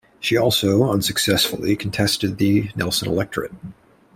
She also unsuccessfully contested the Nelson electorate.